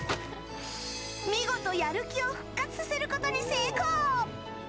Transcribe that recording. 見事、やる気を復活させることに成功！